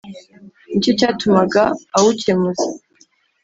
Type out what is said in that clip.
ni cyo cyatumaga awukemuza.